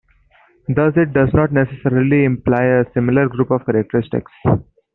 Thus, it does not necessarily imply a similar group of characteristics.